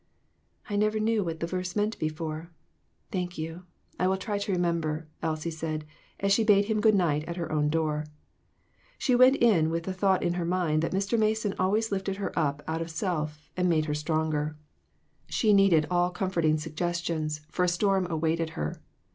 "I never knew what the verse meant before; thank you, I will try to remember," Elsie said, as she bade him good night at her own door. She went in with the thought in her mind that Mr. Mason always lifted her up out of self, and made her stronger. A MODERN MARTYR. 379 She needed all comforting suggestions, for a storm awaited her.